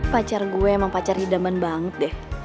pacar gue mau pacar hidaman banget deh